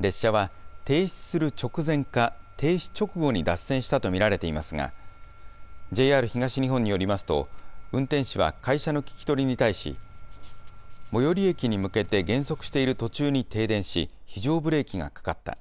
列車は停止する直前か、停止直後に脱線したと見られていますが、ＪＲ東日本によりますと、運転士は会社の聴き取りに対し、最寄り駅に向けて減速している途中に停電し、非常ブレーキがかかった。